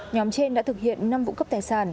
nhóm trên đã thực hiện năm vụ cướp tài sản